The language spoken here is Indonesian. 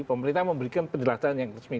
pemerintah memberikan penjelasan yang resmi